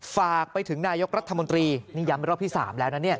ฝากไปถึงนายกรัฐมนตรีนี่ย้ำรอบที่๓แล้วนะเนี่ย